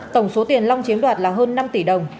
tổng số tiền long chiếm đoạt là hơn năm tỷ đồng